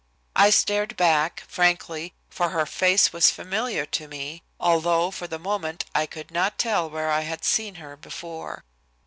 I stared back, frankly, for her face was familiar to me, although for the moment I could not tell where I had seen her before.